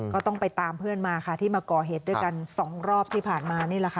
ก็ต้องไปตามเพื่อนมาค่ะที่มาก่อเหตุด้วยกันสองรอบที่ผ่านมานี่แหละค่ะ